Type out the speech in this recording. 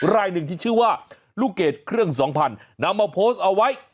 รายหนึ่งที่ชื่อว่าลูกเกดเครื่องสองพันนำมาโพสต์เอาไว้